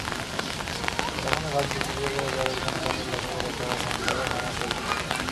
কখনো গাছ বিক্রি করে তাঁরা সন্তানের লেখাপড়াসহ সংসারের নানা প্রয়োজন মেটান।